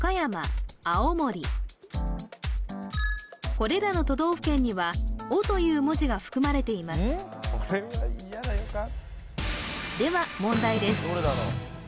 これらの都道府県には「お」という文字が含まれていますでは問題です